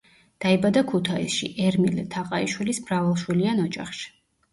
დაიბადა ქუთაისში, ერმილე თაყაიშვილის მრავალშვილიან ოჯახში.